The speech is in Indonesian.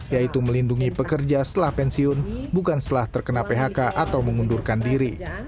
yaitu melindungi pekerja setelah pensiun bukan setelah terkena phk atau mengundurkan diri